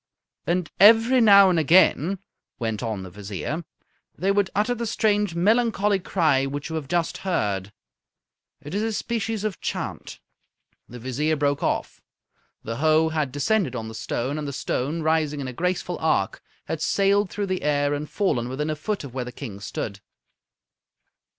"And every now and again," went on the Vizier, "they would utter the strange melancholy cry which you have just heard. It is a species of chant." The Vizier broke off. The hoe had descended on the stone, and the stone, rising in a graceful arc, had sailed through the air and fallen within a foot of where the King stood.